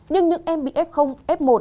nhưng những em bị f f một